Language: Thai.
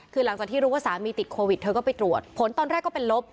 คือหลังจากที่รู้ว่าสามีติดโควิดเธอก็ไปตรวจผลตอนแรกก็เป็นลบ